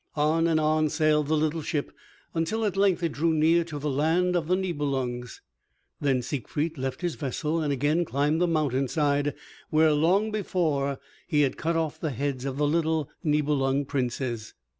On and on sailed the little ship until at length it drew near to the land of the Nibelungs. Then Siegfried left his vessel and again climbed the mountain side, where long before he had cut off the heads of the little Nibelung princes.